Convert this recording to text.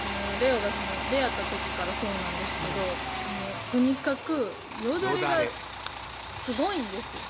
玲央が出会った時からそうなんですけどとにかくよだれがよだれすごいんですよ